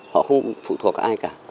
họ không phụ thuộc ai cả